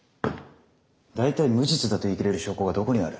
大体無実だと言い切れる証拠がどこにある？